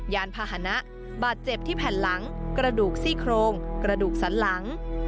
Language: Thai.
ยานพาหนะบาดเจ็บที่แผ่นหลังกระดูกซี่โครงกระดูกสันหลัง